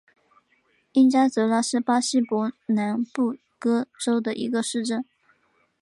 因加泽拉是巴西伯南布哥州的一个市镇。